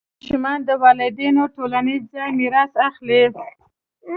ماشومان د والدینو ټولنیز ځای میراث اخلي.